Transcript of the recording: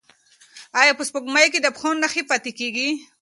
ایا په سپوږمۍ کې د پښو نښې پاتې کیږي؟